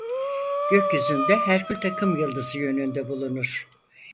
Gökyüzünde Herkül takımyıldızı yönünde bulunur.